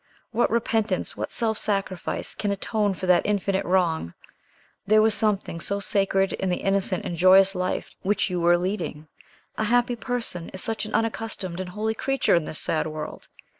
"What repentance, what self sacrifice, can atone for that infinite wrong? There was something so sacred in the innocent and joyous life which you were leading! A happy person is such an unaccustomed and holy creature in this sad world!